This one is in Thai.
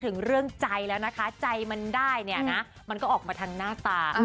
ถึงเรื่องใจแล้วนะคะใจมันได้เนี่ยนะมันก็ออกมาทางหน้าตา